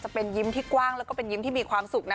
จะเป็นยิ้มที่กว้างแล้วก็เป็นยิ้มที่มีความสุขนะ